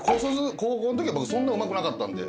高校のときは僕そんなうまくなかったんで。